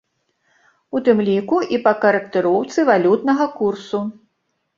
У тым ліку і па карэкціроўцы валютнага курсу.